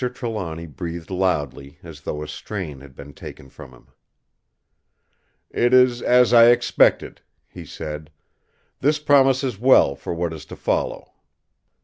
Trelawny breathed loudly, as though a strain had been taken from him. "It is as I expected," he said. "This promises well for what is to follow."